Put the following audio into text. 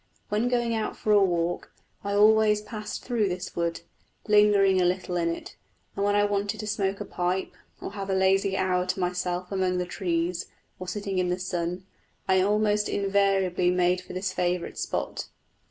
When going out for a walk I always passed through this wood, lingering a little in it; and when I wanted to smoke a pipe, or have a lazy hour to myself among the trees, or sitting in the sun, I almost invariably made for this favourite spot.